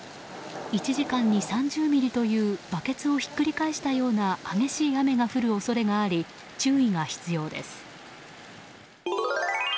１時間に３０ミリというバケツをひっくり返したような激しい雨が降る恐れがあり注意が必要です。